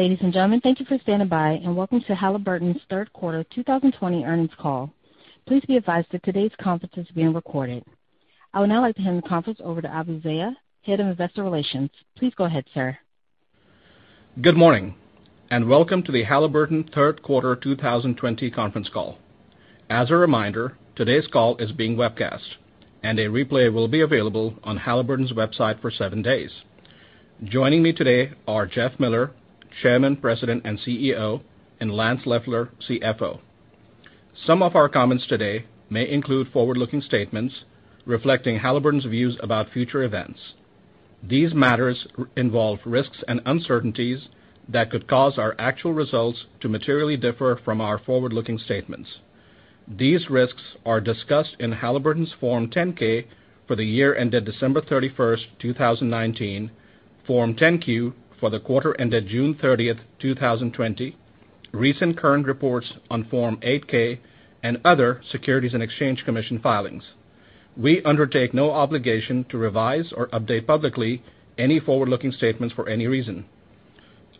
Ladies and gentlemen, thank you for standing by, and welcome to Halliburton's third quarter 2020 earnings call. Please be advised that today's conference is being recorded. I would now like to hand the conference over to Abu Zeya, Head of Investor Relations. Please go ahead, sir. Good morning, and welcome to the Halliburton third quarter 2020 conference call. As a reminder, today's call is being webcast, and a replay will be available on Halliburton's website for seven days. Joining me today are Jeff Miller, Chairman, President, and CEO, and Lance Loeffler, CFO. Some of our comments today may include forward-looking statements reflecting Halliburton's views about future events. These matters involve risks and uncertainties that could cause our actual results to materially differ from our forward-looking statements. These risks are discussed in Halliburton's Form 10-K for the year ended December 31st, 2019, Form 10-Q for the quarter ended June 30th, 2020, recent current reports on Form 8-K, and other Securities and Exchange Commission filings. We undertake no obligation to revise or update publicly any forward-looking statements for any reason.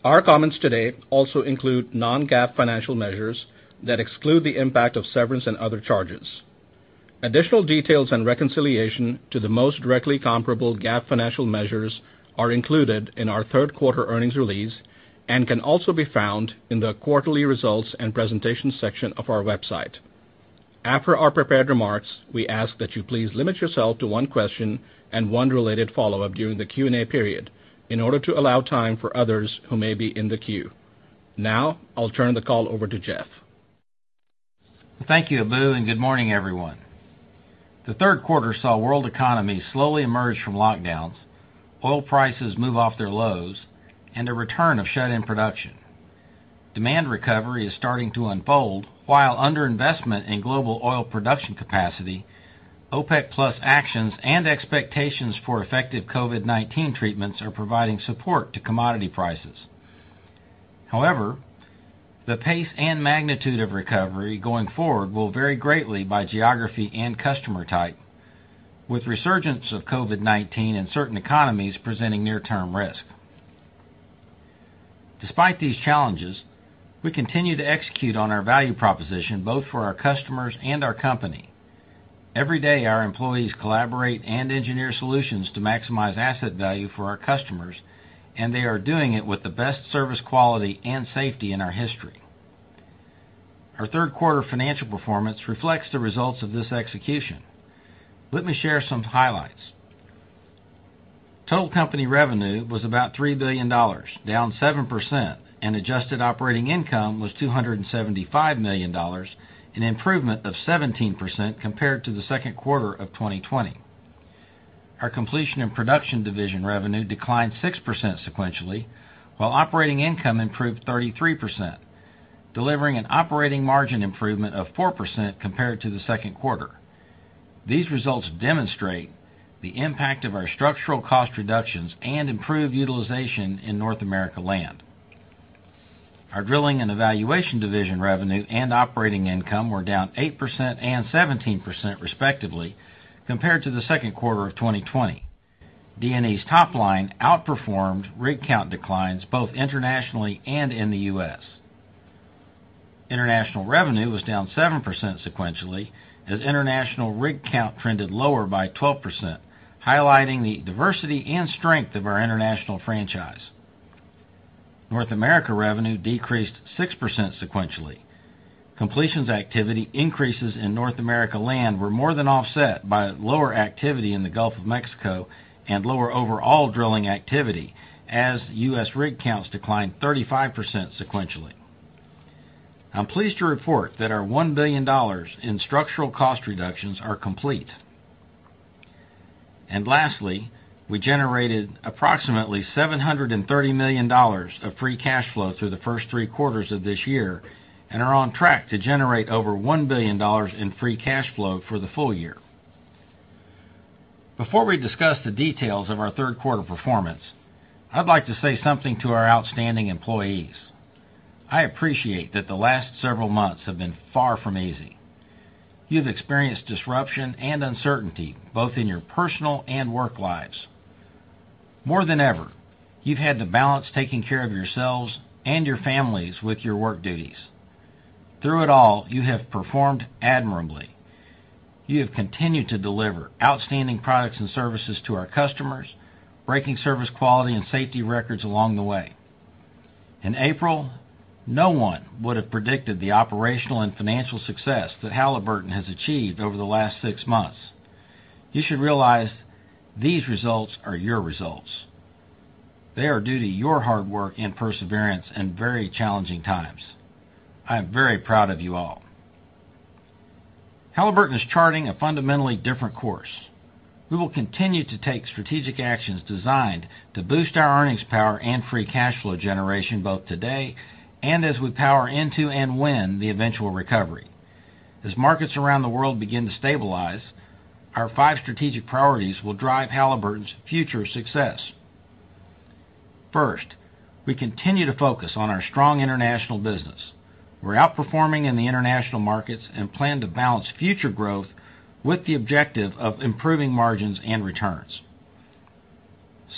Our comments today also include non-GAAP financial measures that exclude the impact of severance and other charges. Additional details and reconciliation to the most directly comparable GAAP financial measures are included in our third-quarter earnings release and can also be found in the quarterly results and presentation section of our website. After our prepared remarks, we ask that you please limit yourself to one question and one related follow-up during the Q&A period in order to allow time for others who may be in the queue. Now, I'll turn the call over to Jeff. Thank you, Abu, good morning, everyone. The third quarter saw world economies slowly emerge from lockdowns, oil prices move off their lows, and the return of shut-in production. Demand recovery is starting to unfold, while underinvestment in global oil production capacity, OPEC+ actions, and expectations for effective COVID-19 treatments are providing support to commodity prices. The pace and magnitude of recovery going forward will vary greatly by geography and customer type, with resurgence of COVID-19 in certain economies presenting near-term risk. Despite these challenges, we continue to execute on our value proposition, both for our customers and our company. Every day, our employees collaborate and engineer solutions to maximize asset value for our customers, and they are doing it with the best service quality and safety in our history. Our third quarter financial performance reflects the results of this execution. Let me share some highlights. Total company revenue was about $3 billion, down 7%, and adjusted operating income was $275 million, an improvement of 17% compared to the second quarter of 2020. Our Completion and Production division revenue declined 6% sequentially, while operating income improved 33%, delivering an operating margin improvement of 4% compared to the second quarter. These results demonstrate the impact of our structural cost reductions and improved utilization in North America land. Our Drilling and Evaluation division revenue and operating income were down 8% and 17%, respectively, compared to the second quarter of 2020. D&E's top line outperformed rig count declines both internationally and in the U.S. International revenue was down 7% sequentially as international rig count trended lower by 12%, highlighting the diversity and strength of our international franchise. North America revenue decreased 6% sequentially. Completions activity increases in North America land were more than offset by lower activity in the Gulf of Mexico and lower overall drilling activity as U.S. rig counts declined 35% sequentially. I'm pleased to report that our $1 billion in structural cost reductions are complete. Lastly, we generated approximately $730 million of free cash flow through the first three quarters of this year and are on track to generate over $1 billion in free cash flow for the full year. Before we discuss the details of our third-quarter performance, I'd like to say something to our outstanding employees. I appreciate that the last several months have been far from easy. You've experienced disruption and uncertainty, both in your personal and work lives. More than ever, you've had to balance taking care of yourselves and your families with your work duties. Through it all, you have performed admirably. You have continued to deliver outstanding products and services to our customers, breaking service quality and safety records along the way. In April, no one would have predicted the operational and financial success that Halliburton has achieved over the last six months. You should realize these results are your results. They are due to your hard work and perseverance in very challenging times. I am very proud of you all. Halliburton is charting a fundamentally different course. We will continue to take strategic actions designed to boost our earnings power and free cash flow generation both today and as we power into and win the eventual recovery. As markets around the world begin to stabilize, our five strategic priorities will drive Halliburton's future success. First, we continue to focus on our strong international business. We're outperforming in the international markets and plan to balance future growth with the objective of improving margins and returns.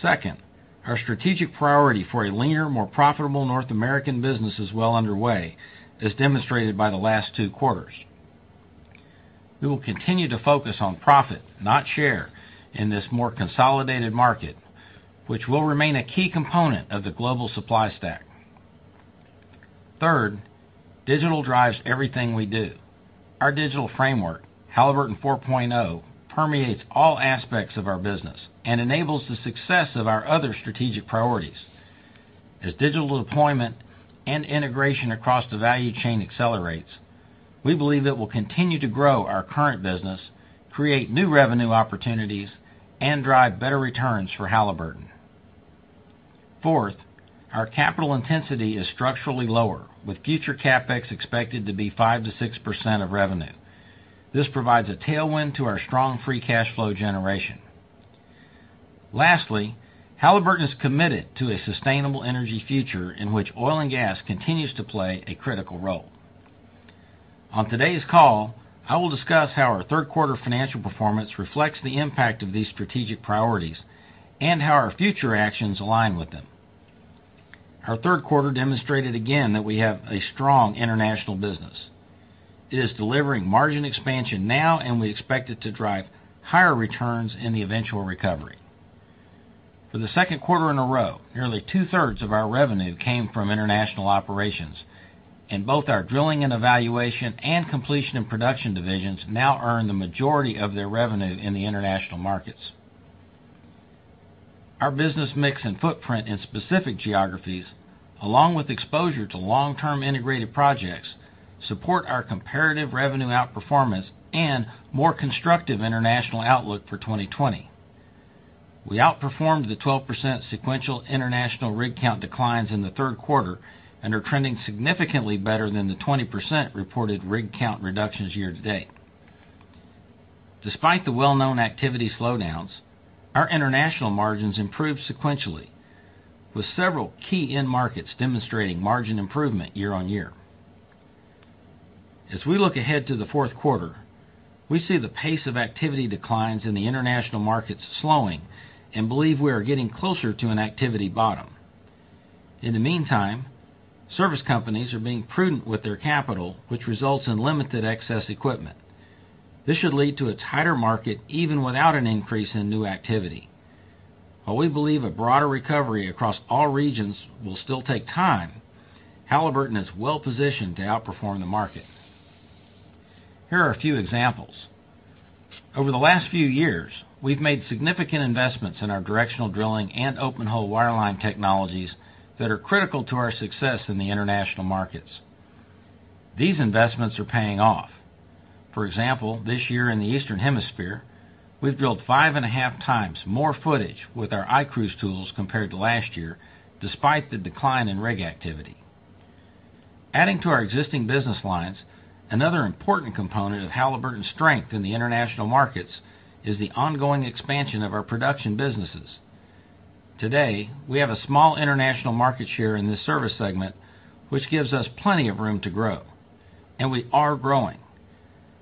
Second, our strategic priority for a leaner, more profitable North American business is well underway, as demonstrated by the last two quarters. We will continue to focus on profit, not share, in this more consolidated market, which will remain a key component of the global supply stack. Third, digital drives everything we do. Our digital framework, Halliburton 4.0, permeates all aspects of our business and enables the success of our other strategic priorities. As digital deployment and integration across the value chain accelerates, we believe it will continue to grow our current business, create new revenue opportunities, and drive better returns for Halliburton. Fourth, our capital intensity is structurally lower, with future CapEx expected to be 5%-6% of revenue. This provides a tailwind to our strong free cash flow generation. Lastly, Halliburton is committed to a sustainable energy future in which oil and gas continues to play a critical role. On today's call, I will discuss how our third quarter financial performance reflects the impact of these strategic priorities and how our future actions align with them. Our third quarter demonstrated again that we have a strong international business. It is delivering margin expansion now, and we expect it to drive higher returns in the eventual recovery. For the second quarter in a row, nearly 2/3 of our revenue came from international operations, and both our Drilling and Evaluation and Completion and Production divisions now earn the majority of their revenue in the international markets. Our business mix and footprint in specific geographies, along with exposure to long-term integrated projects, support our comparative revenue outperformance and more constructive international outlook for 2020. We outperformed the 12% sequential international rig count declines in the third quarter and are trending significantly better than the 20% reported rig count reductions year-to-date. Despite the well-known activity slowdowns, our international margins improved sequentially, with several key end markets demonstrating margin improvement year-on-year. As we look ahead to the fourth quarter, we see the pace of activity declines in the international markets slowing and believe we are getting closer to an activity bottom. In the meantime, service companies are being prudent with their capital, which results in limited excess equipment. This should lead to a tighter market even without an increase in new activity. While we believe a broader recovery across all regions will still take time, Halliburton is well positioned to outperform the market. Here are a few examples. Over the last few years, we've made significant investments in our directional drilling and open hole wireline technologies that are critical to our success in the international markets. These investments are paying off. For example, this year in the Eastern Hemisphere, we've drilled 5.5x more footage with our iCruise tools compared to last year, despite the decline in rig activity. Adding to our existing business lines, another important component of Halliburton's strength in the international markets is the ongoing expansion of our production businesses. Today, we have a small international market share in this service segment, which gives us plenty of room to grow. We are growing.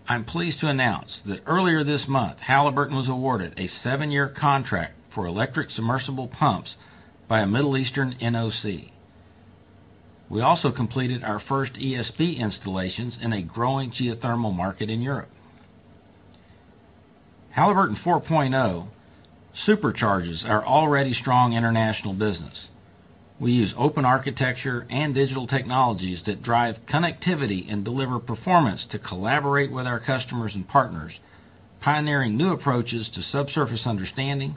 I'm pleased to announce that earlier this month, Halliburton was awarded a seven-year contract for electric submersible pumps by a Middle Eastern NOC. We also completed our first ESP installations in a growing geothermal market in Europe. Halliburton 4.0 supercharges our already strong international business. We use open architecture and digital technologies that drive connectivity and deliver performance to collaborate with our customers and partners, pioneering new approaches to subsurface understanding,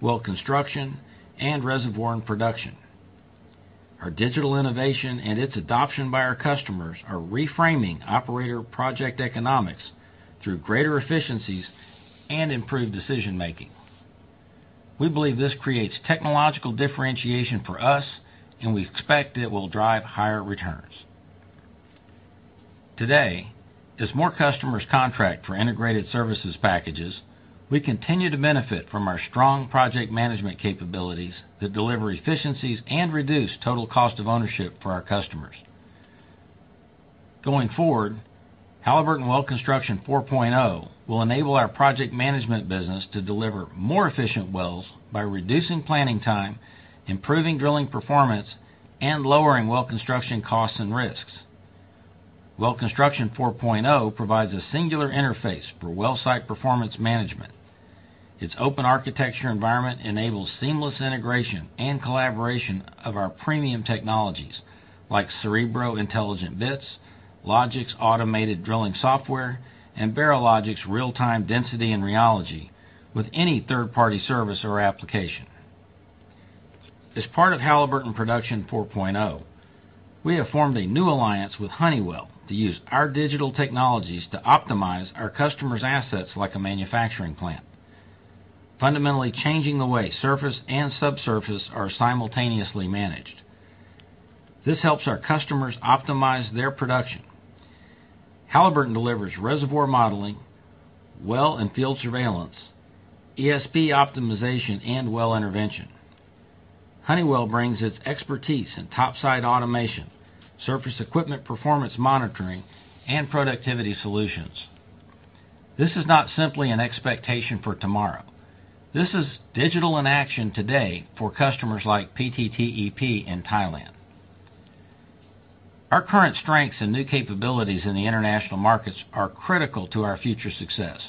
well construction, and reservoir and production. Our digital innovation and its adoption by our customers are reframing operator project economics through greater efficiencies and improved decision-making. We believe this creates technological differentiation for us, and we expect it will drive higher returns. Today, as more customers contract for integrated services packages, we continue to benefit from our strong project management capabilities that deliver efficiencies and reduce total cost of ownership for our customers. Going forward, Halliburton Well Construction 4.0 will enable our project management business to deliver more efficient wells by reducing planning time, improving drilling performance, and lowering well construction costs and risks. Well Construction 4.0 provides a singular interface for well site performance management. Its open architecture environment enables seamless integration and collaboration of our premium technologies like Cerebro intelligent bits, LOGIX automated drilling software, and BaraLogix real-time density and rheology with any third-party service or application. As part of Halliburton Production 4.0, we have formed a new alliance with Honeywell to use our digital technologies to optimize our customers' assets like a manufacturing plant, fundamentally changing the way surface and subsurface are simultaneously managed. This helps our customers optimize their production. Halliburton delivers reservoir modeling, well and field surveillance, ESP optimization, and well intervention. Honeywell brings its expertise in topside automation, surface equipment performance monitoring, and productivity solutions. This is not simply an expectation for tomorrow. This is digital in action today for customers like PTTEP in Thailand. Our current strengths and new capabilities in the international markets are critical to our future success.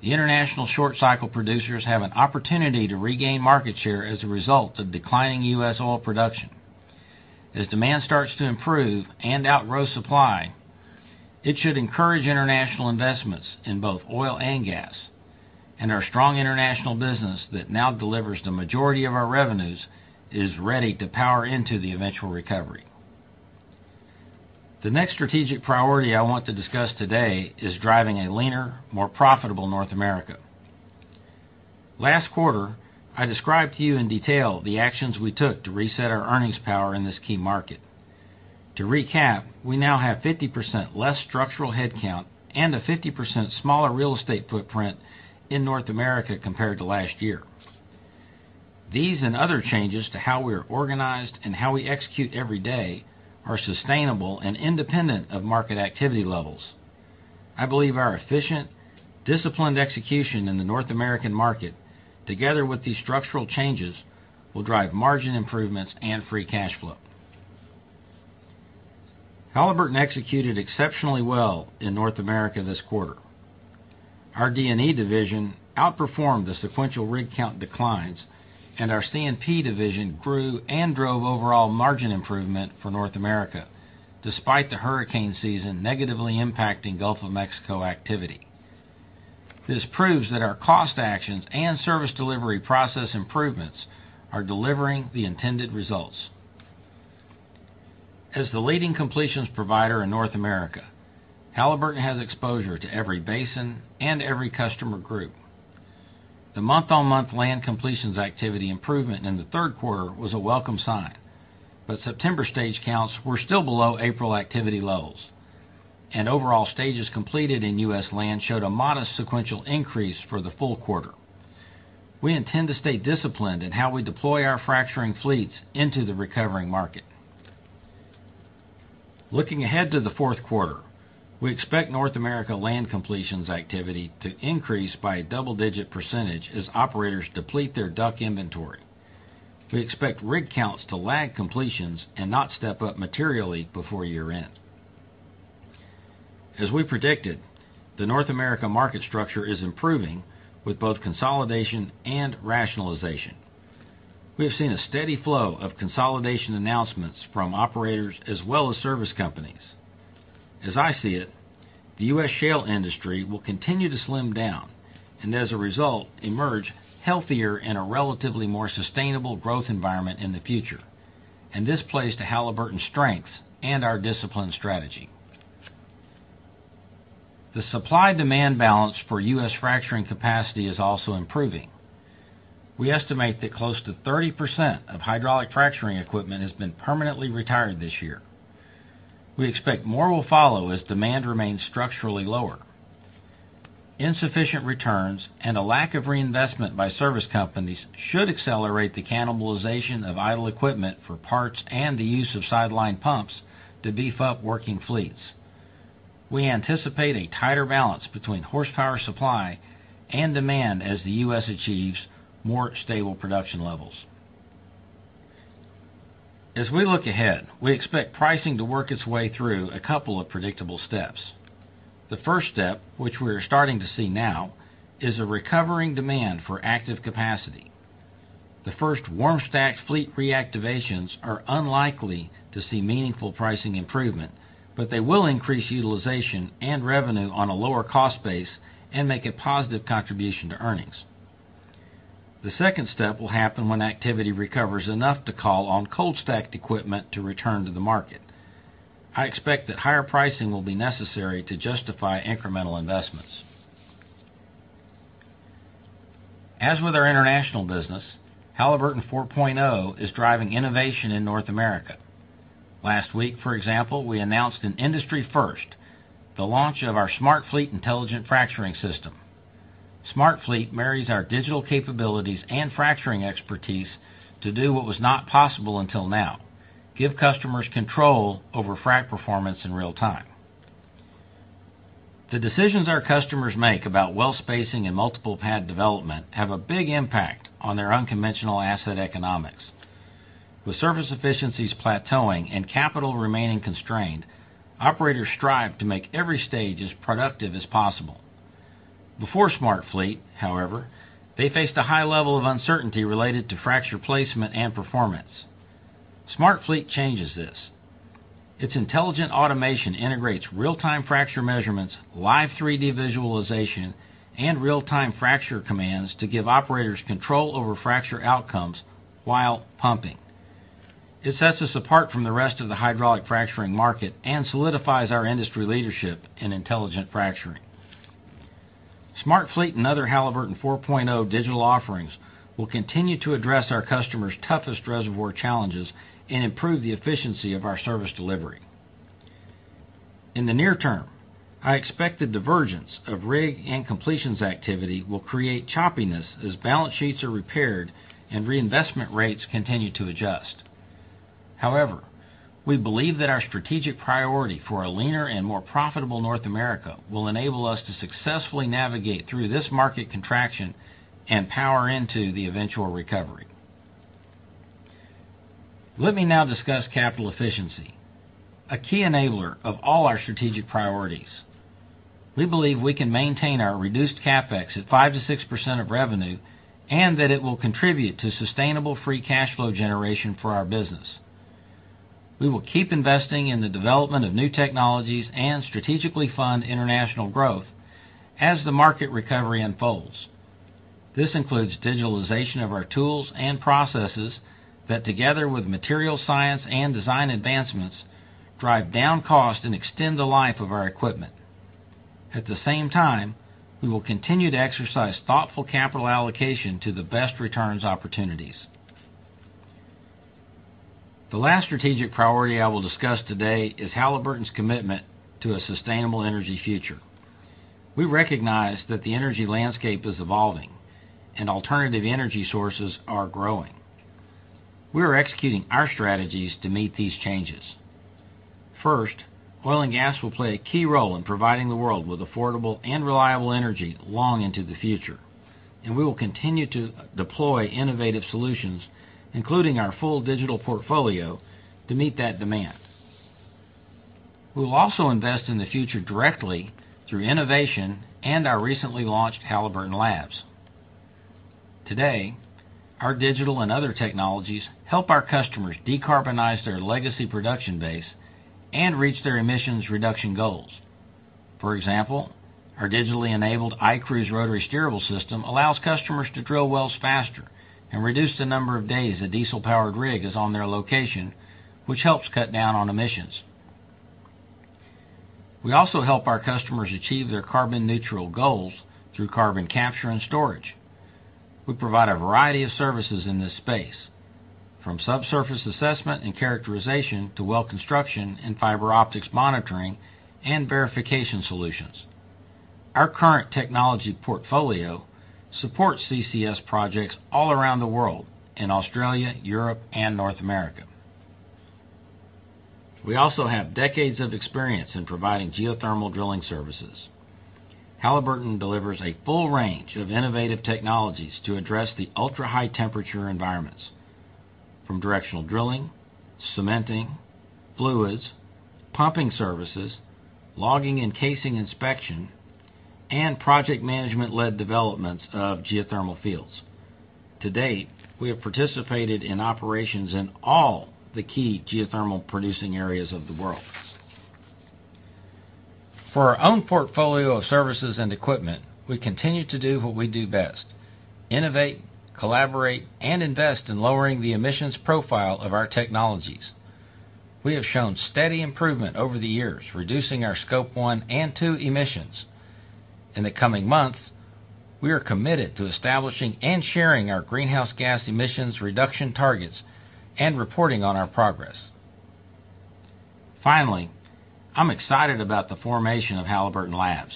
The international short cycle producers have an opportunity to regain market share as a result of declining U.S. oil production. As demand starts to improve and outgrow supply, it should encourage international investments in both oil and gas, and our strong international business that now delivers the majority of our revenues is ready to power into the eventual recovery. The next strategic priority I want to discuss today is driving a leaner, more profitable North America. Last quarter, I described to you in detail the actions we took to reset our earnings power in this key market. To recap, we now have 50% less structural headcount and a 50% smaller real estate footprint in North America compared to last year. These and other changes to how we are organized and how we execute every day are sustainable and independent of market activity levels. I believe our efficient, disciplined execution in the North American market, together with these structural changes, will drive margin improvements and free cash flow. Halliburton executed exceptionally well in North America this quarter. Our D&E division outperformed the sequential rig count declines, and our C&P division grew and drove overall margin improvement for North America, despite the hurricane season negatively impacting Gulf of Mexico activity. This proves that our cost actions and service delivery process improvements are delivering the intended results. As the leading completions provider in North America, Halliburton has exposure to every basin and every customer group. The month-on-month land completions activity improvement in the third quarter was a welcome sign, but September stage counts were still below April activity levels. Overall stages completed in U.S. land showed a modest sequential increase for the full quarter. We intend to stay disciplined in how we deploy our fracturing fleets into the recovering market. Looking ahead to the fourth quarter, we expect North America land completions activity to increase by a double-digit percentage as operators deplete their DUC inventory. We expect rig counts to lag completions and not step up materially before year-end. As we predicted, the North America market structure is improving with both consolidation and rationalization. We have seen a steady flow of consolidation announcements from operators as well as service companies. As I see it, the U.S. shale industry will continue to slim down and, as a result, emerge healthier in a relatively more sustainable growth environment in the future. This plays to Halliburton's strengths and our disciplined strategy. The supply-demand balance for U.S. fracturing capacity is also improving. We estimate that close to 30% of hydraulic fracturing equipment has been permanently retired this year. We expect more will follow as demand remains structurally lower. Insufficient returns and a lack of reinvestment by service companies should accelerate the cannibalization of idle equipment for parts and the use of sidelined pumps to beef up working fleets. We anticipate a tighter balance between horsepower supply and demand as the U.S. achieves more stable production levels. As we look ahead, we expect pricing to work its way through a couple of predictable steps. The first step, which we are starting to see now, is a recovering demand for active capacity. The first warm stacked fleet reactivations are unlikely to see meaningful pricing improvement, but they will increase utilization and revenue on a lower cost base and make a positive contribution to earnings. The second step will happen when activity recovers enough to call on cold stacked equipment to return to the market. I expect that higher pricing will be necessary to justify incremental investments. As with our international business, Halliburton 4.0 is driving innovation in North America. Last week, for example, we announced an industry first, the launch of our SmartFleet intelligent fracturing system. SmartFleet marries our digital capabilities and fracturing expertise to do what was not possible until now: give customers control over frac performance in real time. The decisions our customers make about well spacing and multiple pad development have a big impact on their unconventional asset economics. With surface efficiencies plateauing and capital remaining constrained, operators strive to make every stage as productive as possible. Before SmartFleet, however, they faced a high level of uncertainty related to fracture placement and performance. SmartFleet changes this. Its intelligent automation integrates real-time fracture measurements, live 3D visualization, and real-time fracture commands to give operators control over fracture outcomes while pumping. It sets us apart from the rest of the hydraulic fracturing market and solidifies our industry leadership in intelligent fracturing. SmartFleet and other Halliburton 4.0 digital offerings will continue to address our customers' toughest reservoir challenges and improve the efficiency of our service delivery. In the near term, I expect the divergence of rig and completions activity will create choppiness as balance sheets are repaired and reinvestment rates continue to adjust. We believe that our strategic priority for a leaner and more profitable North America will enable us to successfully navigate through this market contraction and power into the eventual recovery. Let me now discuss capital efficiency, a key enabler of all our strategic priorities. We believe we can maintain our reduced CapEx at 5%-6% of revenue, and that it will contribute to sustainable free cash flow generation for our business. We will keep investing in the development of new technologies and strategically fund international growth as the market recovery unfolds. This includes digitalization of our tools and processes that, together with material science and design advancements, drive down cost and extend the life of our equipment. At the same time, we will continue to exercise thoughtful capital allocation to the best returns opportunities. The last strategic priority I will discuss today is Halliburton's commitment to a sustainable energy future. We recognize that the energy landscape is evolving and alternative energy sources are growing. We are executing our strategies to meet these changes. First, oil and gas will play a key role in providing the world with affordable and reliable energy long into the future, and we will continue to deploy innovative solutions, including our full digital portfolio, to meet that demand. We'll also invest in the future directly through innovation and our recently launched Halliburton Labs. Today, our digital and other technologies help our customers decarbonize their legacy production base and reach their emissions reduction goals. For example, our digitally enabled iCruise rotary steerable system allows customers to drill wells faster and reduce the number of days a diesel-powered rig is on their location, which helps cut down on emissions. We also help our customers achieve their carbon neutral goals through Carbon Capture and Storage. We provide a variety of services in this space, from subsurface assessment and characterization to well construction and fiber optics monitoring and verification solutions. Our current technology portfolio supports CCS projects all around the world, in Australia, Europe, and North America. We also have decades of experience in providing geothermal drilling services. Halliburton delivers a full range of innovative technologies to address the ultra-high temperature environments, from directional drilling, cementing, fluids, pumping services, logging and casing inspection, and project management-led developments of geothermal fields. To date, we have participated in operations in all the key geothermal producing areas of the world. For our own portfolio of services and equipment, we continue to do what we do best; innovate, collaborate, and invest in lowering the emissions profile of our technologies. We have shown steady improvement over the years, reducing our Scope 1 and Scope 2 emissions. In the coming months, we are committed to establishing and sharing our greenhouse gas emissions reduction targets and reporting on our progress. Finally, I'm excited about the formation of Halliburton Labs,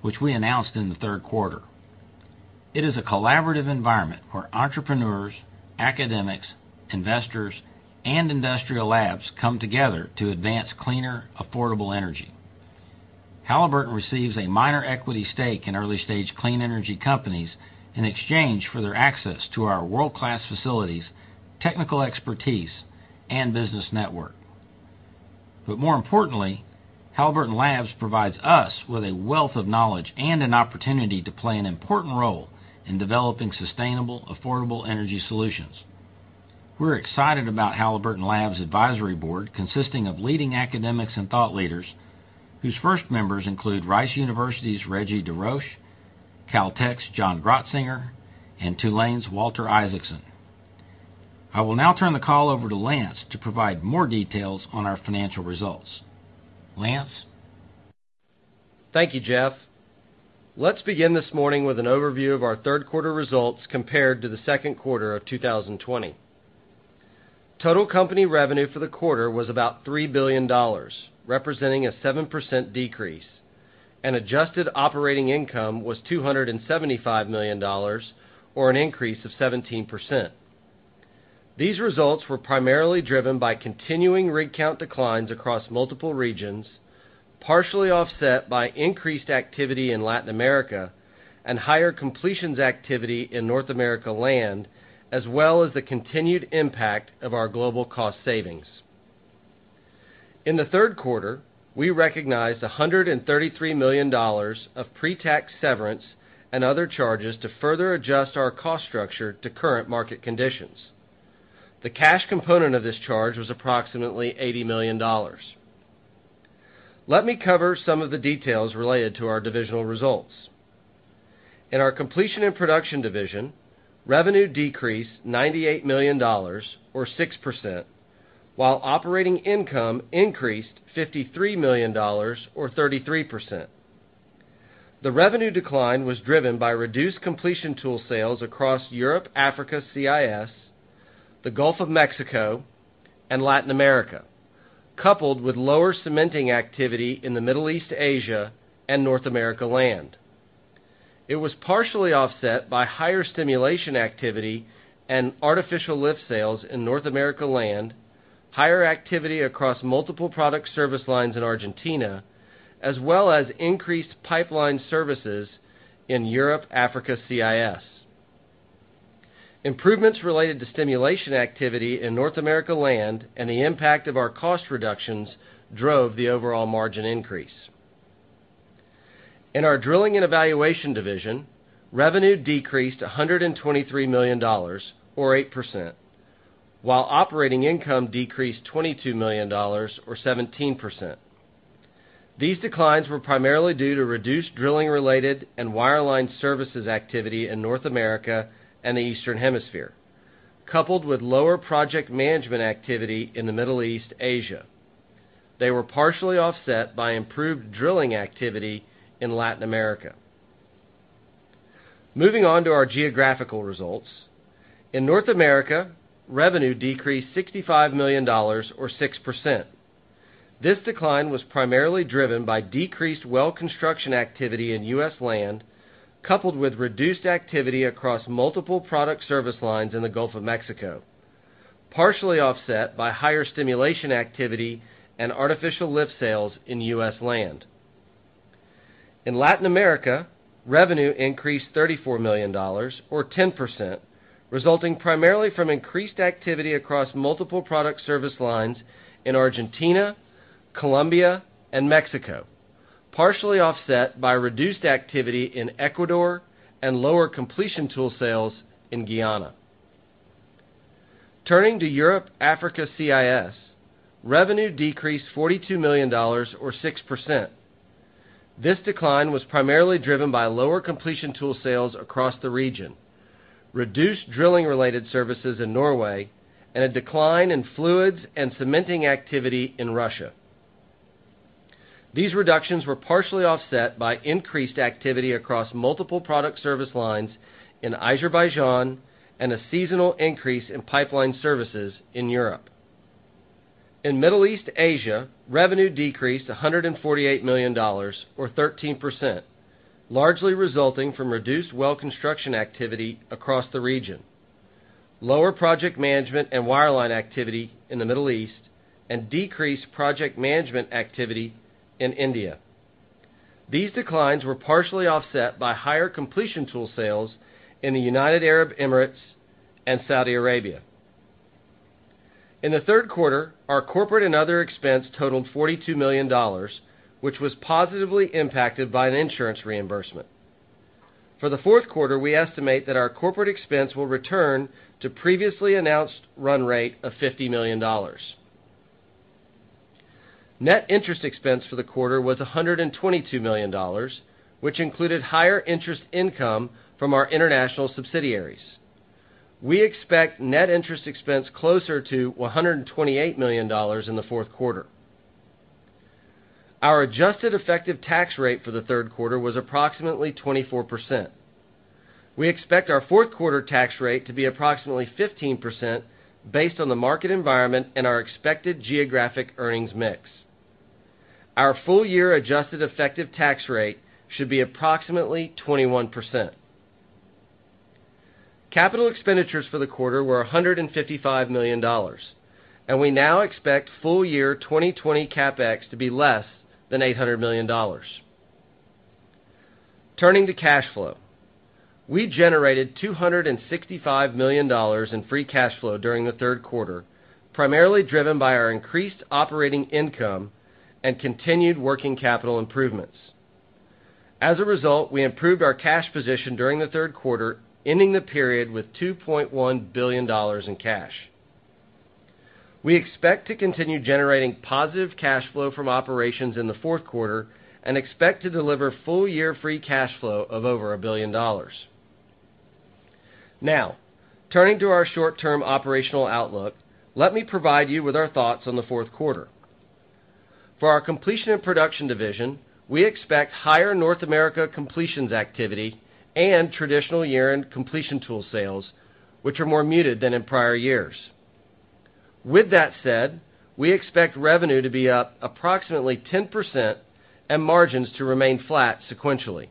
which we announced in the third quarter. It is a collaborative environment where entrepreneurs, academics, investors, and industrial labs come together to advance cleaner, affordable energy. Halliburton receives a minor equity stake in early-stage clean energy companies in exchange for their access to our world-class facilities, technical expertise, and business network. More importantly, Halliburton Labs provides us with a wealth of knowledge and an opportunity to play an important role in developing sustainable, affordable energy solutions. We're excited about Halliburton Labs' advisory board, consisting of leading academics and thought leaders, whose first members include Rice University's Reginald DesRoches, Caltech's John Grotzinger, and Tulane's Walter Isaacson. I will now turn the call over to Lance to provide more details on our financial results. Lance? Thank you, Jeff. Let's begin this morning with an overview of our third quarter results compared to the second quarter of 2020. Total company revenue for the quarter was about $3 billion, representing a 7% decrease, and adjusted operating income was $275 million, or an increase of 17%. These results were primarily driven by continuing rig count declines across multiple regions, partially offset by increased activity in Latin America and higher completions activity in North America Land, as well as the continued impact of our global cost savings. In the third quarter, we recognized $133 million of pre-tax severance and other charges to further adjust our cost structure to current market conditions. The cash component of this charge was approximately $80 million. Let me cover some of the details related to our divisional results. In our Completion and Production division, revenue decreased $98 million, or 6%. While operating income increased $53 million, or 33%. The revenue decline was driven by reduced completion tool sales across Europe, Africa, CIS, the Gulf of Mexico, and Latin America, coupled with lower cementing activity in the Middle East, Asia, and North America Land. It was partially offset by higher stimulation activity and artificial lift sales in North America Land, higher activity across multiple product service lines in Argentina, as well as increased pipeline services in Europe, Africa, CIS. Improvements related to stimulation activity in North America Land and the impact of our cost reductions drove the overall margin increase. In our Drilling and Evaluation division, revenue decreased $123 million, or 8%. While operating income decreased $22 million, or 17%. These declines were primarily due to reduced drilling-related and wireline services activity in North America and the Eastern Hemisphere, coupled with lower project management activity in the Middle East, Asia. They were partially offset by improved drilling activity in Latin America. Moving on to our geographical results. In North America, revenue decreased $65 million, or 6%. This decline was primarily driven by decreased well construction activity in US Land, coupled with reduced activity across multiple product service lines in the Gulf of Mexico, partially offset by higher stimulation activity and artificial lift sales in US Land. In Latin America, revenue increased $34 million, or 10%, resulting primarily from increased activity across multiple product service lines in Argentina, Colombia, and Mexico, partially offset by reduced activity in Ecuador and lower completion tool sales in Guyana. Turning to Europe, Africa, CIS, revenue decreased $42 million, or 6%. This decline was primarily driven by lower completion tool sales across the region, reduced drilling-related services in Norway, and a decline in fluids and cementing activity in Russia. These reductions were partially offset by increased activity across multiple product service lines in Azerbaijan and a seasonal increase in pipeline services in Europe. In Middle East Asia, revenue decreased $148 million, or 13%, largely resulting from reduced well construction activity across the region, lower project management and wireline activity in the Middle East, and decreased project management activity in India. These declines were partially offset by higher completion tool sales in the United Arab Emirates and Saudi Arabia. In the third quarter, our corporate and other expense totaled $42 million, which was positively impacted by an insurance reimbursement. For the fourth quarter, we estimate that our corporate expense will return to previously announced run rate of $50 million. Net interest expense for the quarter was $122 million, which included higher interest income from our international subsidiaries. We expect net interest expense closer to $128 million in the fourth quarter. Our adjusted effective tax rate for the third quarter was approximately 24%. We expect our fourth quarter tax rate to be approximately 15% based on the market environment and our expected geographic earnings mix. Our full-year adjusted effective tax rate should be approximately 21%. Capital expenditures for the quarter were $155 million. We now expect full-year 2020 CapEx to be less than $800 million. Turning to cash flow. We generated $265 million in free cash flow during the third quarter, primarily driven by our increased operating income and continued working capital improvements. As a result, we improved our cash position during the third quarter, ending the period with $2.1 billion in cash. We expect to continue generating positive cash flow from operations in the fourth quarter and expect to deliver full-year free cash flow of over $1 billion. Turning to our short-term operational outlook, let me provide you with our thoughts on the fourth quarter. For our Completion and Production division, we expect higher North America completions activity and traditional year-end completion tool sales, which are more muted than in prior years. With that said, we expect revenue to be up approximately 10% and margins to remain flat sequentially.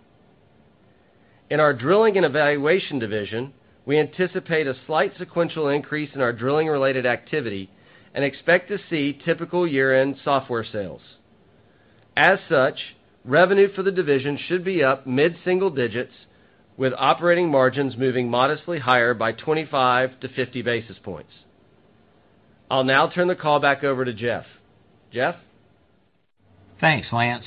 In our Drilling and Evaluation division, we anticipate a slight sequential increase in our drilling-related activity and expect to see typical year-end software sales. Revenue for the division should be up mid-single digits, with operating margins moving modestly higher by 25-50 basis points. I'll now turn the call back over to Jeff. Jeff? Thanks, Lance.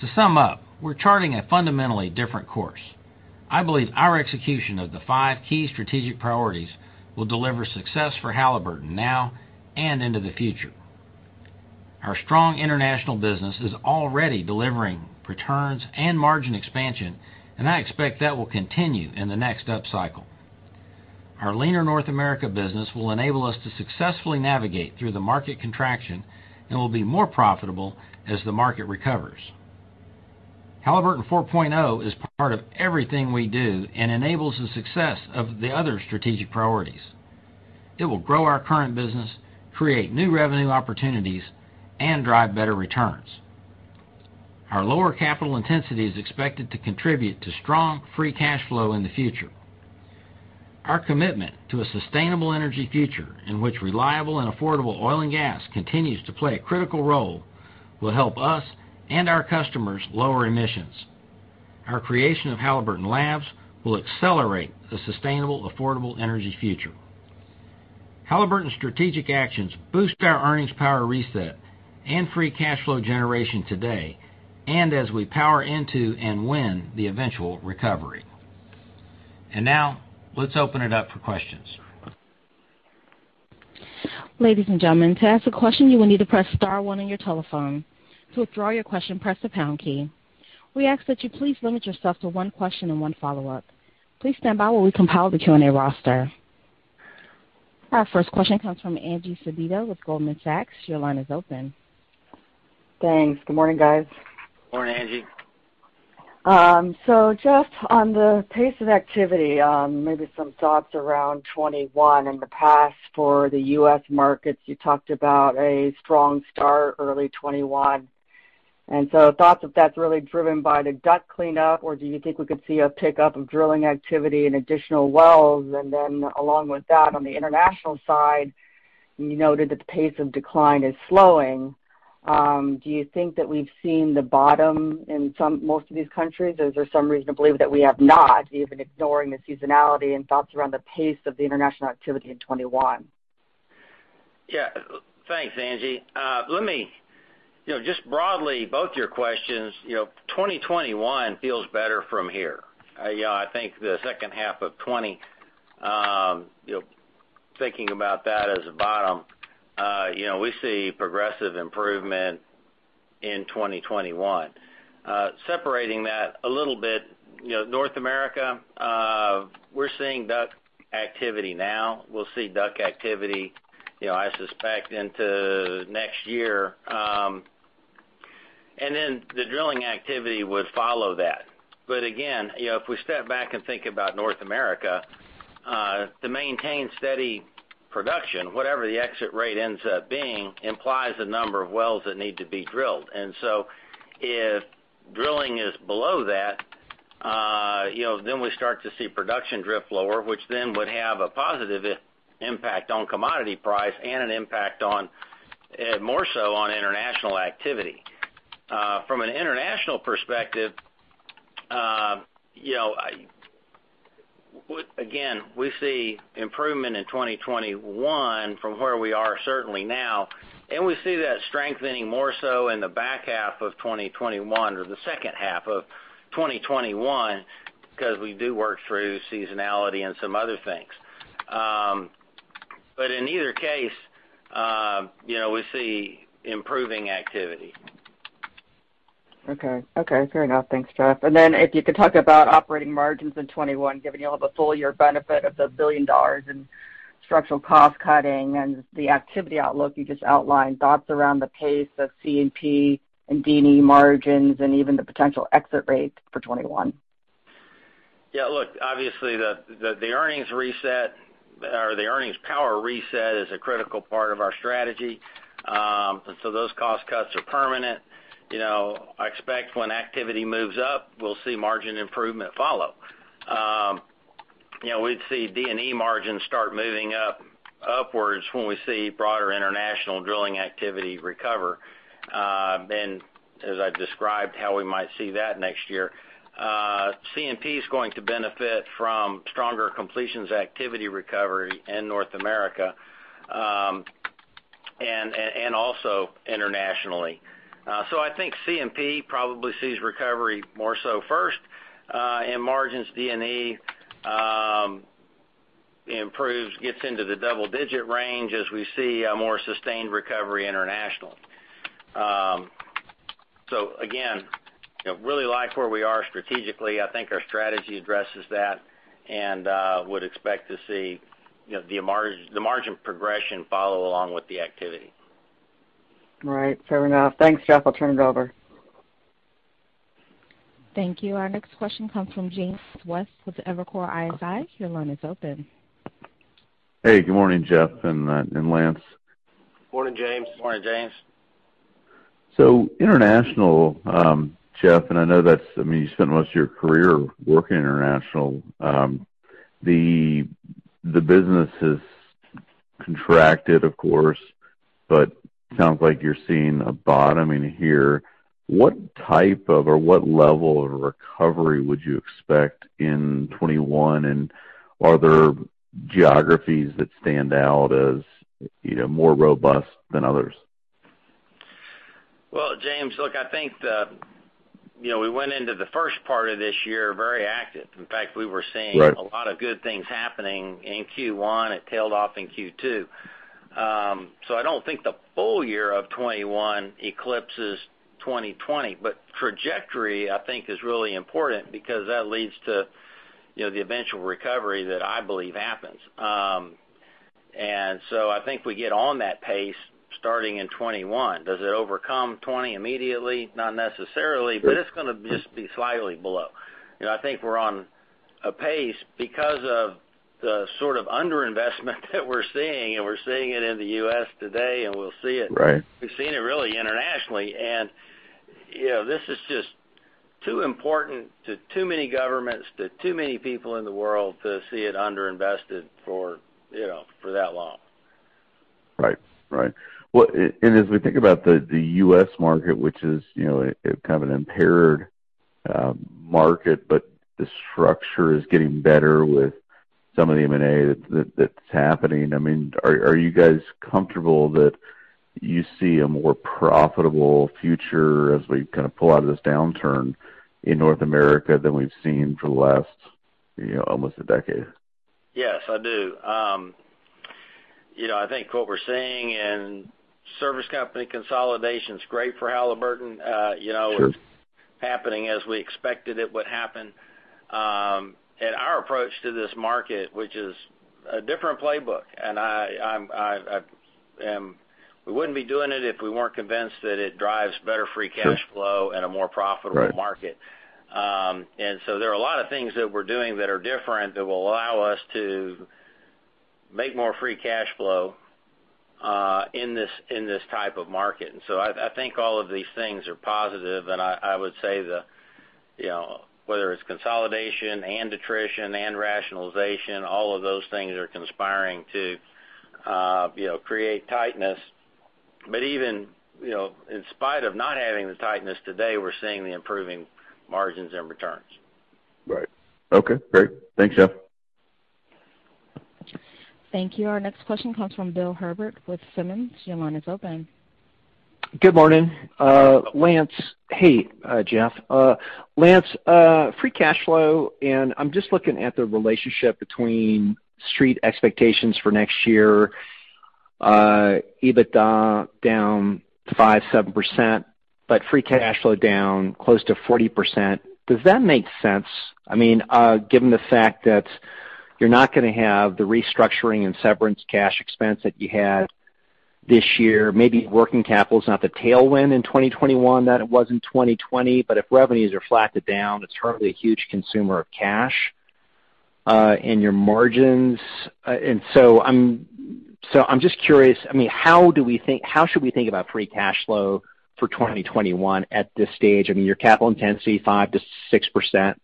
To sum up, we're charting a fundamentally different course. I believe our execution of the five key strategic priorities will deliver success for Halliburton now and into the future. Our strong international business is already delivering returns and margin expansion, and I expect that will continue in the next up cycle. Our leaner North America business will enable us to successfully navigate through the market contraction and will be more profitable as the market recovers. Halliburton 4.0 is part of everything we do and enables the success of the other strategic priorities. It will grow our current business, create new revenue opportunities, and drive better returns. Our lower capital intensity is expected to contribute to strong free cash flow in the future. Our commitment to a sustainable energy future, in which reliable and affordable oil and gas continues to play a critical role, will help us and our customers lower emissions. Our creation of Halliburton Labs will accelerate the sustainable, affordable energy future. Halliburton strategic actions boost our earnings power reset and free cash flow generation today, and as we power into and win the eventual recovery. Now, let's open it up for questions. Ladies and gentlemen, to ask a question, you need to press star one on your telephone. To withdraw your question, press the pound key. We ask that you please limit yourself to one question and one follow up. Please stand by while we compile the Q&A roster. Our first question comes from Angie Sedita with Goldman Sachs. Your line is open. Thanks. Good morning, guys. Morning, Angie. Just on the pace of activity, maybe some thoughts around 2021 and the path for the U.S. markets. You talked about a strong start early 2021, thoughts if that's really driven by the DUC cleanup, or do you think we could see a pickup of drilling activity in additional wells? Along with that, on the international side, you noted that the pace of decline is slowing. Do you think that we've seen the bottom in most of these countries? Is there some reason to believe that we have not, even ignoring the seasonality and thoughts around the pace of the international activity in 2021? Thanks, Angie. Broadly, both your questions, 2021 feels better from here. I think the second half of 2020, thinking about that as a bottom, we see progressive improvement in 2021. Separating that a little bit, North America, we're seeing DUC activity now. We'll see DUC activity, I suspect, into next year. The drilling activity would follow that. Again, if we step back and think about North America, to maintain steady production, whatever the exit rate ends up being implies the number of wells that need to be drilled. If drilling is below that, we start to see production drift lower, which would have a positive impact on commodity price and an impact more so on international activity. From an international perspective, again, we see improvement in 2021 from where we are certainly now, and we see that strengthening more so in the back half of 2021 or the second half of 2021, because we do work through seasonality and some other things. In either case, we see improving activity. Okay. Fair enough. Thanks, Jeff. If you could talk about operating margins in 2021, given you'll have a full year benefit of the $1 billion in structural cost cutting and the activity outlook you just outlined, thoughts around the pace of C&P and D&E margins and even the potential exit rates for 2021? Yeah, look, obviously, the earnings power reset is a critical part of our strategy. Those cost cuts are permanent. I expect when activity moves up, we'll see margin improvement follow. We'd see D&E margins start moving upwards when we see broader international drilling activity recover. As I've described how we might see that next year, C&P's going to benefit from stronger completions activity recovery in North America, and also internationally. I think C&P probably sees recovery more so first, and margins D&E improves, gets into the double-digit range as we see a more sustained recovery international. Again, really like where we are strategically. I think our strategy addresses that, and would expect to see the margin progression follow along with the activity. Right. Fair enough. Thanks, Jeff. I'll turn it over. Thank you. Our next question comes from James West with Evercore ISI. Your line is open. Hey, good morning, Jeff and Lance. Morning, James. Morning, James. International, Jeff, and I know you spent most of your career working international. The business has contracted, of course, but sounds like you're seeing a bottom in here. What type of or what level of recovery would you expect in 2021, and are there geographies that stand out as more robust than others? Well, James, look, we went into the first part of this year very active. In fact, we were seeing. Right. A lot of good things happening in Q1. It tailed off in Q2. I don't think the full year of 2021 eclipses 2020. Trajectory, I think, is really important because that leads to the eventual recovery that I believe happens. I think we get on that pace starting in 2021. Does it overcome 2020 immediately? Not necessarily, but it's going to just be slightly below. I think we're on a pace because of the sort of under-investment that we're seeing, and we're seeing it in the U.S. today. Right. We've seen it really internationally. This is just too important to too many governments, to too many people in the world to see it under-invested for that long. Right. Well, as we think about the U.S. market, which is kind of an impaired market, but the structure is getting better with some of the M&A that's happening. Are you guys comfortable that you see a more profitable future as we kind of pull out of this downturn in North America than we've seen for the last almost a decade? Yes, I do. I think what we're seeing, and service company consolidation's great for Halliburton. Sure. It's happening as we expected it would happen. Our approach to this market, which is a different playbook, and we wouldn't be doing it if we weren't convinced that it drives better free cash flow. Sure. A more profitable- Right. Market. There are a lot of things that we're doing that are different that will allow us to make more free cash flow in this type of market. I think all of these things are positive, and I would say whether it's consolidation and attrition and rationalization, all of those things are conspiring to create tightness. Even in spite of not having the tightness today, we're seeing the improving margins and returns. Right. Okay, great. Thanks, Jeff. Thank you. Our next question comes from Bill Herbert with Simmons. Your line is open. Good morning, Lance. Hey, Jeff. Lance, free cash flow. I'm just looking at the relationship between Street expectations for next year. EBITDA down 5%, 7%, but free cash flow down close to 40%. Does that make sense? Given the fact that you're not going to have the restructuring and severance cash expense that you had this year, maybe working capital's not the tailwind in 2021 that it was in 2020, but if revenues are flat to down, it's hardly a huge consumer of cash, and your margins. I'm just curious, how should we think about free cash flow for 2021 at this stage? Your capital intensity 5%-6%.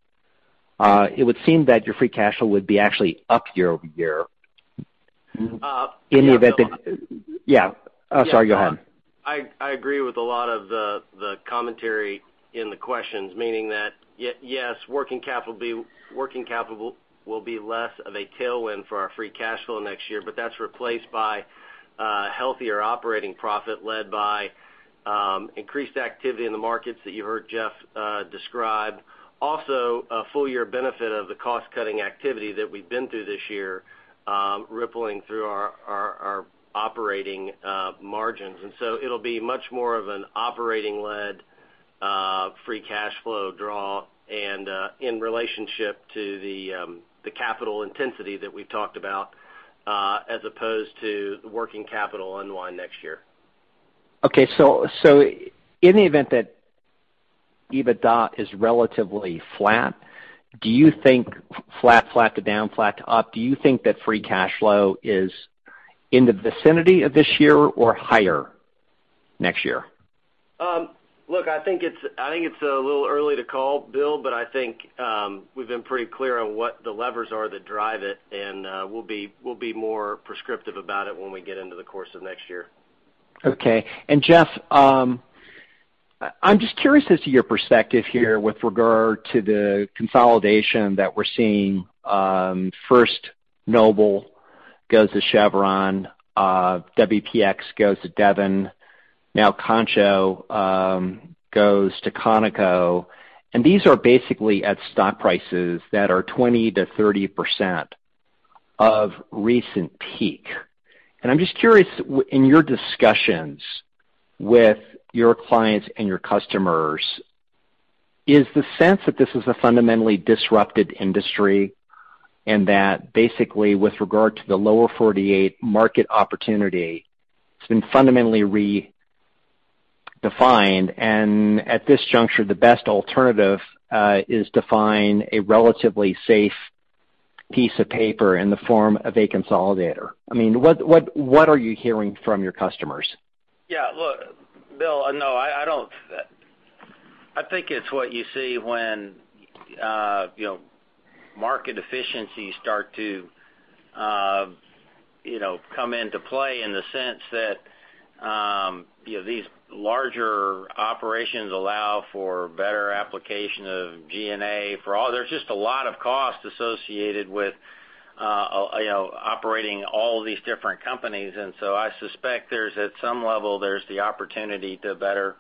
It would seem that your free cash flow would be actually up year-over-year. In the event that. Yeah. Sorry, go ahead. I agree with a lot of the commentary in the questions, meaning that, yes, working capital will be less of a tailwind for our free cash flow next year, but that's replaced by healthier operating profit led by increased activity in the markets that you heard Jeff describe. A full year benefit of the cost-cutting activity that we've been through this year rippling through our operating margins. It'll be much more of an operating-led free cash flow draw and in relationship to the capital intensity that we've talked about, as opposed to the working capital unwind next year. Okay. In the event that EBITDA is relatively flat to down, flat to up, do you think that free cash flow is in the vicinity of this year or higher next year? Look, I think it's a little early to call, Bill, but I think we've been pretty clear on what the levers are that drive it, and we'll be more prescriptive about it when we get into the course of next year. Okay. Jeff, I'm just curious as to your perspective here with regard to the consolidation that we're seeing. First Noble goes to Chevron, WPX goes to Devon, now Concho goes to Conoco. These are basically at stock prices that are 20%-30% of recent peak. I'm just curious, in your discussions with your clients and your customers, is the sense that this is a fundamentally disrupted industry, and that basically with regard to the Lower 48 market opportunity, it's been fundamentally redefined, and at this juncture, the best alternative is to find a relatively safe piece of paper in the form of a consolidator? What are you hearing from your customers? Yeah. Look, Bill, no. I think it's what you see when market efficiencies start to come into play in the sense that these larger operations allow for better application of G&A for all. There's just a lot of cost associated with operating all of these different companies. I suspect, at some level, there's the opportunity to better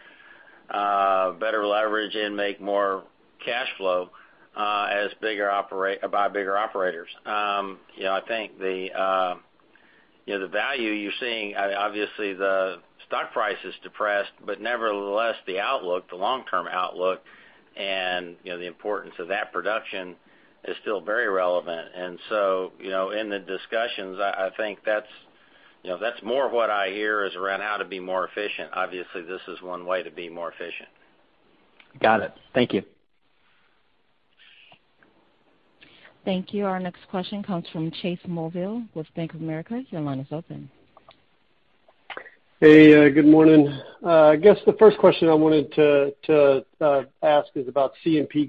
leverage and make more cash flow by bigger operators. I think the value you're seeing, obviously, the stock price is depressed, but nevertheless, the outlook, the long-term outlook, and the importance of that production is still very relevant. In the discussions, I think that's more what I hear is around how to be more efficient. Obviously, this is one way to be more efficient. Got it. Thank you. Thank you. Our next question comes from Chase Mulvehill with Bank of America. Your line is open. Hey, good morning. I guess the first question I wanted to ask is about C&P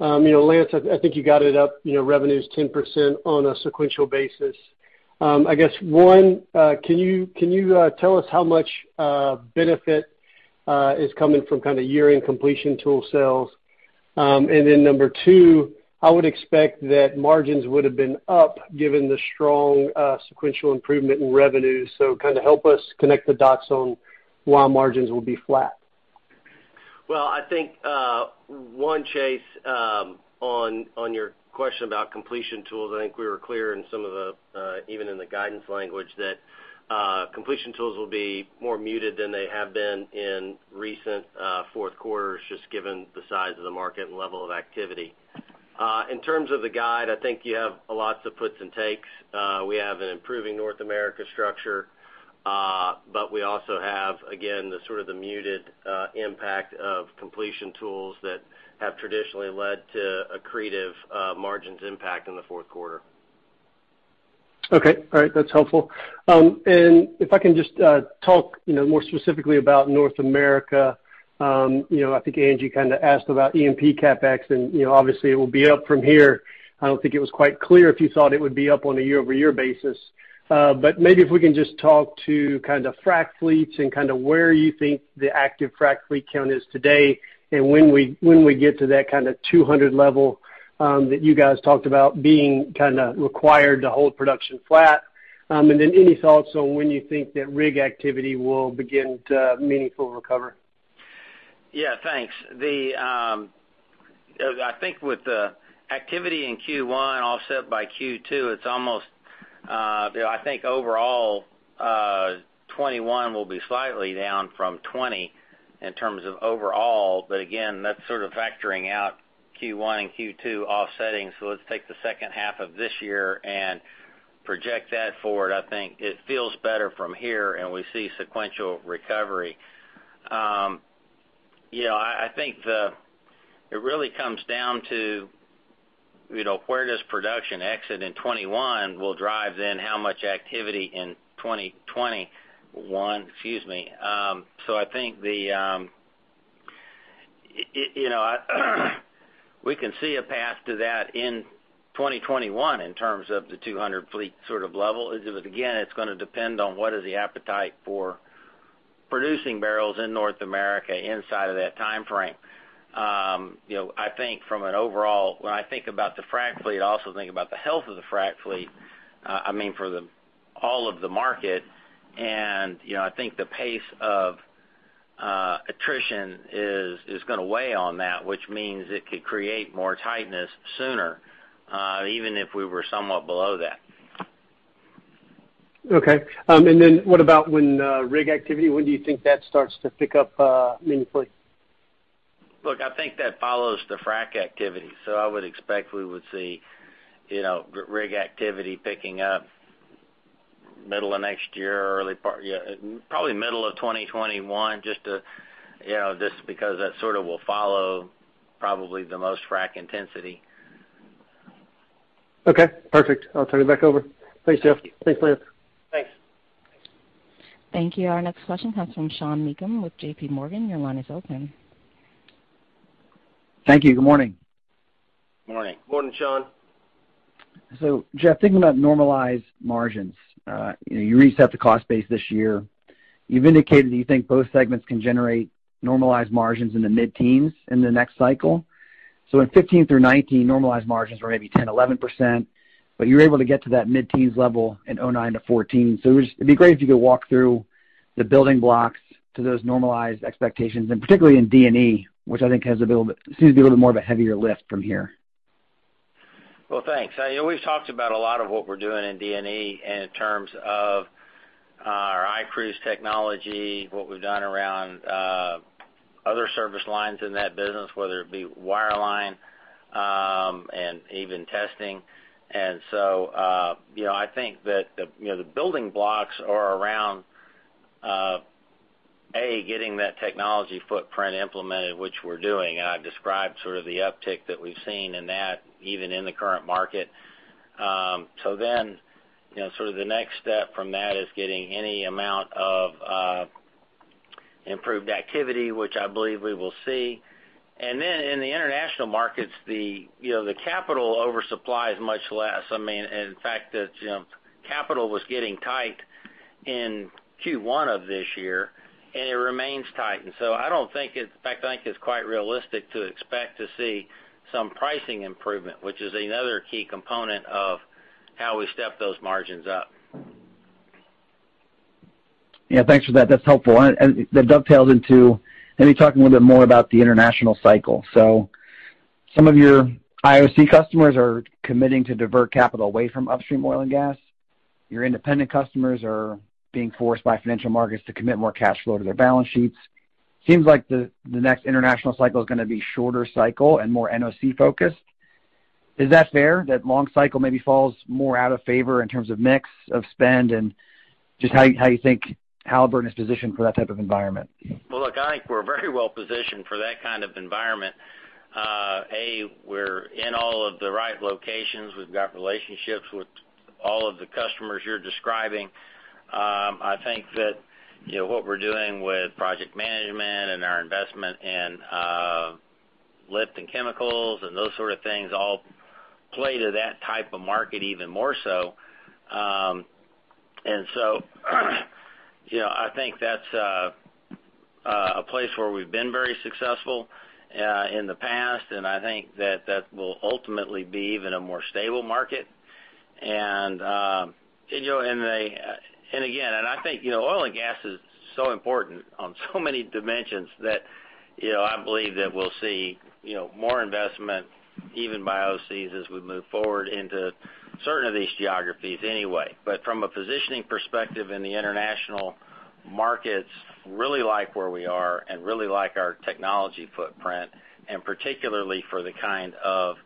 guide. Lance, I think you got it up, revenues 10% on a sequential basis. I guess, one, can you tell us how much benefit is coming from year-end completion tool sales? Number two, I would expect that margins would've been up given the strong sequential improvement in revenues. Help us connect the dots on why margins will be flat. Well, I think, one, Chase, on your question about completion tools, I think we were clear even in the guidance language that completion tools will be more muted than they have been in recent fourth quarters, just given the size of the market and level of activity. In terms of the guide, I think you have lots of puts and takes. We have an improving North America structure, but we also have, again, the sort of the muted impact of completion tools that have traditionally led to accretive margins impact in the fourth quarter. Okay. All right. That's helpful. If I can just talk more specifically about North America. I think Angie kind of asked about E&P CapEx, and obviously it will be up from here. I don't think it was quite clear if you thought it would be up on a year-over-year basis. Maybe if we can just talk to kind of frac fleets and kind of where you think the active frac fleet count is today, and when we get to that kind of 200 level that you guys talked about being kind of required to hold production flat. Then any thoughts on when you think that rig activity will begin to meaningfully recover? Yeah, thanks. I think with the activity in Q1 offset by Q2, I think overall, 2021 will be slightly down from 2020 in terms of overall. Again, that's sort of factoring out Q1 and Q2 offsetting. Let's take the second half of this year and project that forward. I think it feels better from here, and we see sequential recovery. I think it really comes down to where does production exit in 2021 will drive how much activity in 2021. Excuse me. I think we can see a path to that in 2021 in terms of the 200 fleet sort of level. Again, it's going to depend on what is the appetite for producing barrels in North America inside of that timeframe. When I think about the frac fleet, I also think about the health of the frac fleet, I mean, for all of the market, and I think the pace of attrition is going to weigh on that, which means it could create more tightness sooner, even if we were somewhat below that. Okay. What about when rig activity, when do you think that starts to pick up meaningfully? Look, I think that follows the frac activity. I would expect we would see rig activity picking up middle of next year, probably middle of 2021, just because that sort of will follow probably the most frac intensity. Okay, perfect. I'll turn it back over. Thanks, Jeff. Thanks, Lance. Thanks. Thank you. Our next question comes from Sean Meakim with JPMorgan. Your line is open. Thank you. Good morning. Morning. Morning, Sean. Jeff, thinking about normalized margins. You reset the cost base this year. You've indicated that you think both segments can generate normalized margins in the mid-teens in the next cycle. In 2015 through 2019, normalized margins were maybe 10%-11%, but you were able to get to that mid-teens level in 2009 to 2014. It'd be great if you could walk through the building blocks to those normalized expectations, and particularly in D&E, which I think seems to be a little more of a heavier lift from here. Well, thanks. We've talked about a lot of what we're doing in D&E in terms of our iCruise technology, what we've done around other service lines in that business, whether it be wireline, and even testing. I think that the building blocks are around, A, getting that technology footprint implemented, which we're doing, and I've described sort of the uptick that we've seen in that, even in the current market. Sort of the next step from that is getting any amount of improved activity, which I believe we will see. Then in the international markets, the capital oversupply is much less. I mean. Capital was getting tight in Q1 of this year, and it remains tight. I don't think, in fact, I think it's quite realistic to expect to see some pricing improvement, which is another key component of how we step those margins up. Yeah, thanks for that. That's helpful. That dovetails into maybe talking a little bit more about the international cycle. Some of your IOC customers are committing to divert capital away from upstream oil and gas. Your independent customers are being forced by financial markets to commit more cash flow to their balance sheets. Seems like the next international cycle is going to be a shorter cycle and more NOC-focused. Is that fair, that long cycle maybe falls more out of favor in terms of mix of spend and just how you think Halliburton is positioned for that type of environment? Well, look, I think we're very well-positioned for that kind of environment. A, we're in all of the right locations. We've got relationships with all of the customers you're describing. I think that what we're doing with project management and our investment in lift and chemicals and those sort of things all play to that type of market even more so. I think that's a place where we've been very successful in the past, and I think that will ultimately be even a more stable market. Again, I think oil and gas is so important on so many dimensions that I believe that we'll see more investment, even by IOCs, as we move forward into certain of these geographies anyway. From a positioning perspective in the international markets, really like where we are and really like our technology footprint, and particularly for the kind of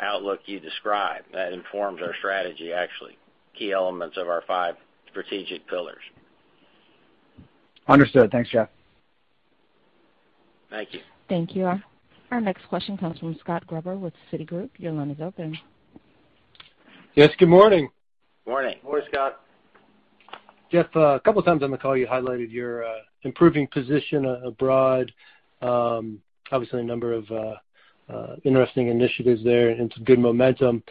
outlook you describe. That informs our strategy, actually, key elements of our five strategic pillars. Understood. Thanks, Jeff. Thank you. Thank you. Our next question comes from Scott Gruber with Citigroup. Your line is open. Yes, good morning. Morning. Morning, Scott. Jeff, a couple of times on the call, you highlighted your improving position abroad. Obviously, a number of interesting initiatives there and some good momentum.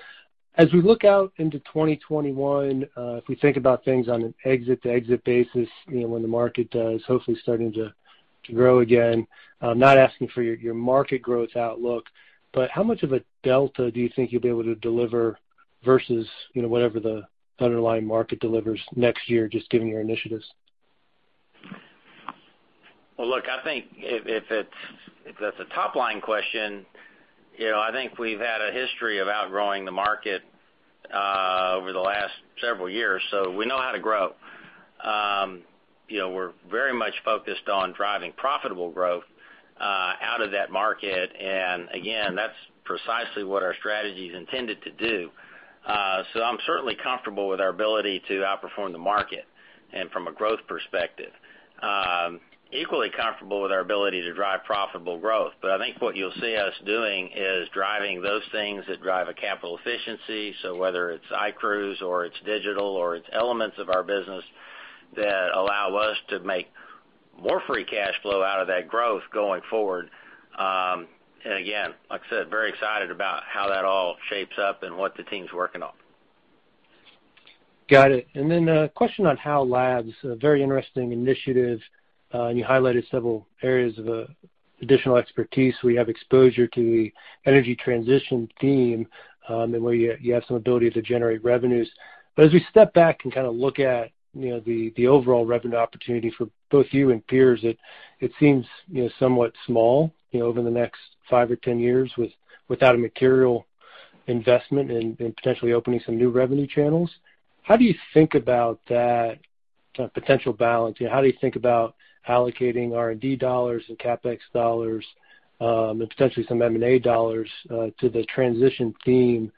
As we look out into 2021, if we think about things on an exit-to-exit basis, when the market is hopefully starting to grow again, I'm not asking for your market growth outlook, but how much of a delta do you think you'll be able to deliver versus whatever the underlying market delivers next year, just given your initiatives? Well, look, I think if that's a top-line question, I think we've had a history of outgrowing the market over the last several years, so we know how to grow. We're very much focused on driving profitable growth out of that market. Again, that's precisely what our strategy is intended to do. I'm certainly comfortable with our ability to outperform the market and from a growth perspective. Equally comfortable with our ability to drive profitable growth. I think what you'll see us doing is driving those things that drive a capital efficiency. Whether it's iCruise, or it's digital, or it's elements of our business that allow us to make more free cash flow out of that growth going forward. Again, like I said, very excited about how that all shapes up and what the team's working on. Got it. A question on Halliburton Labs, a very interesting initiative, and you highlighted several areas of additional expertise. We have exposure to the energy transition theme, and where you have some ability to generate revenues. As we step back and kind of look at the overall revenue opportunity for both you and peers, it seems somewhat small over the next five or 10 years without a material investment in potentially opening some new revenue channels. How do you think about that potential balance? How do you think about allocating R&D dollars and CapEx dollars, and potentially some M&A dollars to the transition theme,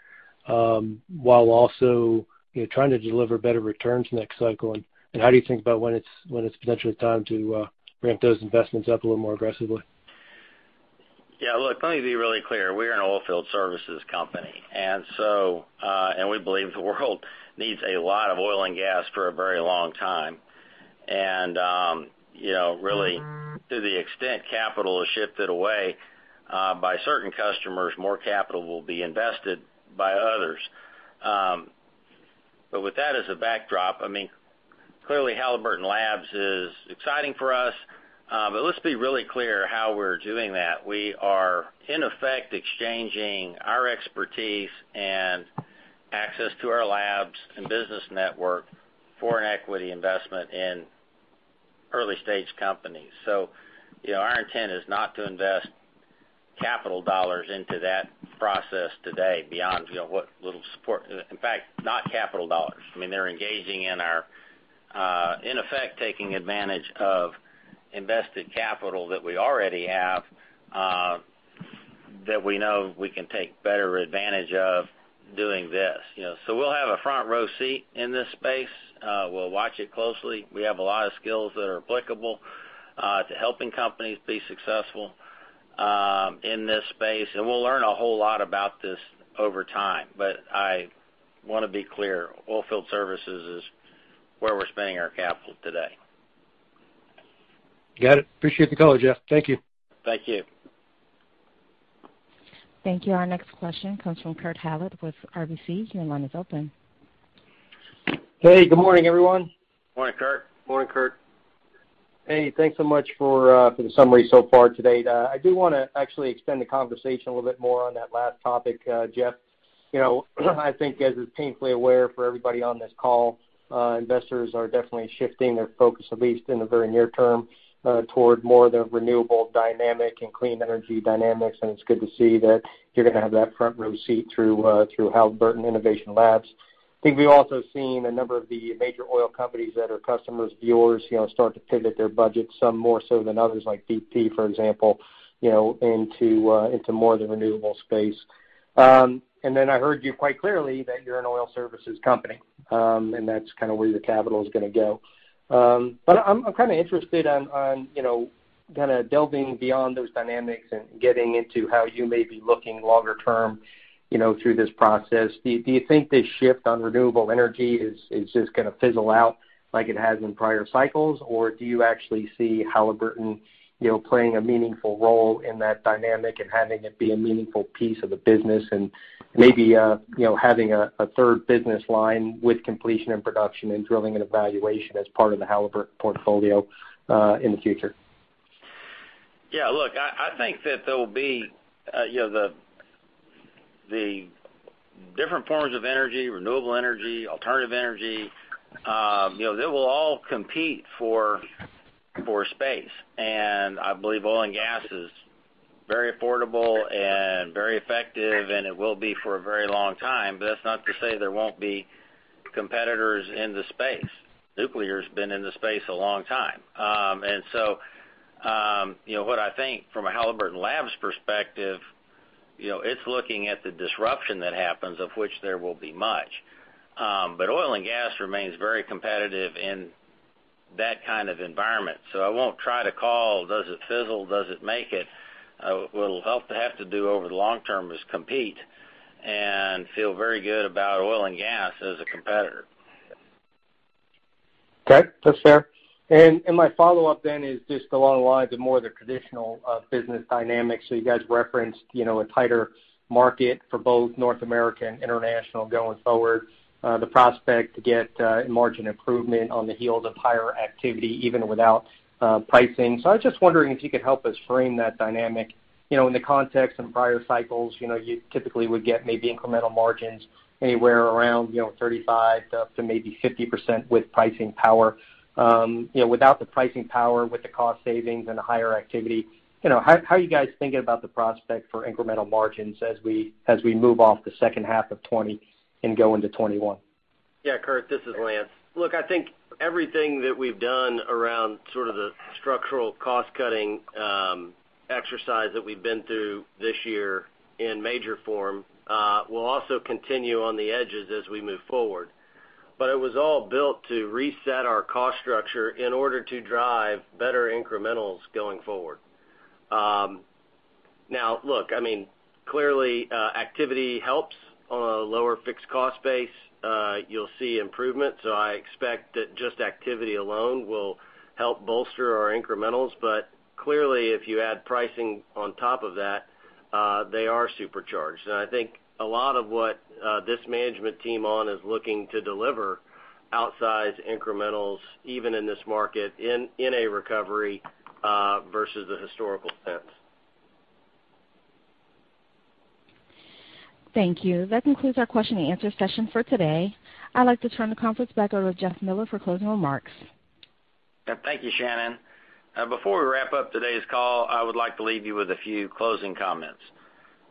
while also trying to deliver better returns next cycle? How do you think about when it's potentially time to ramp those investments up a little more aggressively? Yeah, look, let me be really clear. We're an oilfield services company, and we believe the world needs a lot of oil and gas for a very long time. Really to the extent capital is shifted away by certain customers, more capital will be invested by others. With that as a backdrop, clearly Halliburton Labs is exciting for us. Let's be really clear how we're doing that. We are in effect exchanging our expertise and access to our labs and business network for an equity investment in early-stage companies. Our intent is not to invest capital dollars into that process today. In fact, not capital dollars. In effect, taking advantage of invested capital that we already have, that we know we can take better advantage of doing this. We'll have a front-row seat in this space. We'll watch it closely. We have a lot of skills that are applicable to helping companies be successful in this space. We'll learn a whole lot about this over time. I want to be clear, oilfield services is where we're spending our capital today. Got it. Appreciate the call, Jeff. Thank you. Thank you. Thank you. Our next question comes from Kurt Hallead with RBC. Your line is open. Hey, good morning, everyone. Morning, Kurt. Morning, Kurt. Hey, thanks so much for the summary so far today. I do want to actually extend the conversation a little bit more on that last topic. Jeff, I think as is painfully aware for everybody on this call, investors are definitely shifting their focus, at least in the very near term, toward more of the renewable dynamic and clean energy dynamics. It's good to see that you're going to have that front-row seat through Halliburton Labs. I think we've also seen a number of the major oil companies that are customers of yours start to pivot their budgets, some more so than others, like [BP], for example, into more the renewable space. I heard you quite clearly that you're an oil services company, and that's kind of where the capital is going to go. I'm kind of interested in delving beyond those dynamics and getting into how you may be looking longer term through this process. Do you think this shift on renewable energy is just going to fizzle out like it has in prior cycles? Do you actually see Halliburton playing a meaningful role in that dynamic and having it be a meaningful piece of the business and maybe having a third business line with Completion and Production and Drilling and Evaluation as part of the Halliburton portfolio in the future? Yeah, look, I think that there will be the different forms of energy, renewable energy, alternative energy, they will all compete for space. I believe oil and gas is very affordable and very effective, and it will be for a very long time. That's not to say there won't be competitors in the space. Nuclear's been in the space a long time. What I think from a Halliburton Labs perspective, it's looking at the disruption that happens, of which there will be much. Oil and gas remains very competitive in that kind of environment. I won't try to call, does it fizzle? Does it make it? What we'll have to do over the long term is compete and feel very good about oil and gas as a competitor. Okay, that's fair. My follow-up then is just along the lines of more the traditional business dynamics. You guys referenced a tighter market for both North America and international going forward, the prospect to get margin improvement on the heels of higher activity, even without pricing. I was just wondering if you could help us frame that dynamic. In the context of prior cycles, you typically would get maybe incremental margins anywhere around 35%-50% with pricing power. Without the pricing power, with the cost savings and the higher activity, how are you guys thinking about the prospect for incremental margins as we move off the second half of 2020 and go into 2021? Kurt, this is Lance. I think everything that we've done around sort of the structural cost-cutting exercise that we've been through this year in major form will also continue on the edges as we move forward. It was all built to reset our cost structure in order to drive better incrementals going forward. Clearly, activity helps on a lower fixed cost base. You'll see improvement, I expect that just activity alone will help bolster our incrementals. Clearly, if you add pricing on top of that, they are supercharged. I think a lot of what this management team is looking to deliver outsized incrementals, even in this market, in a recovery versus a historical sense. Thank you. That concludes our question-and-answer session for today. I'd like to turn the conference back over to Jeff Miller for closing remarks. Thank you, Shannon. Before we wrap up today's call, I would like to leave you with a few closing comments.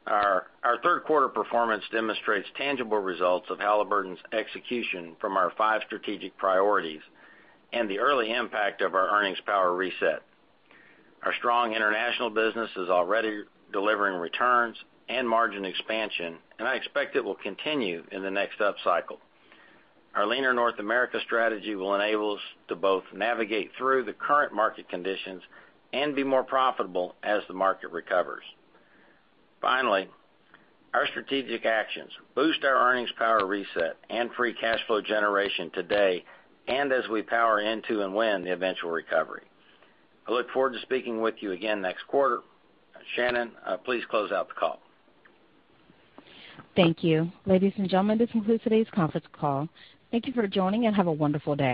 Our third quarter performance demonstrates tangible results of Halliburton's execution from our five strategic priorities and the early impact of our earnings power reset. Our strong international business is already delivering returns and margin expansion, and I expect it will continue in the next upcycle. Our leaner North America strategy will enable us to both navigate through the current market conditions and be more profitable as the market recovers. Finally, our strategic actions boost our earnings power reset and free cash flow generation today, and as we power into and win the eventual recovery. I look forward to speaking with you again next quarter. Shannon, please close out the call. Thank you. Ladies and gentlemen, this concludes today's conference call. Thank you for joining, and have a wonderful day.